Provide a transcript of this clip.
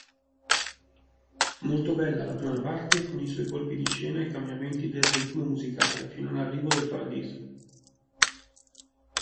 Molto bella la prima parte con i suoi colpi di scena e cambiamenti del ritmo musicale fino all'arrivo del paradiso.